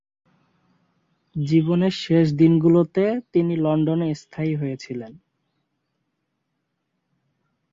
জীবনের শেষ দিনগুলোতে তিনি লন্ডনে স্থায়ী হয়েছিলেন।